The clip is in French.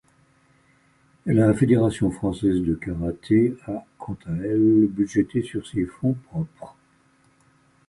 La Fédération Française de Karaté a quant à elle budgété sur ses fonds propres.